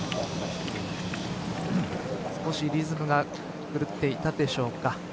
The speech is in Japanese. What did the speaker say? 少しリズムが狂っていたでしょうか。